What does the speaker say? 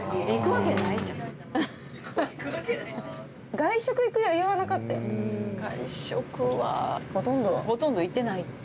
外食はほとんど行ってない。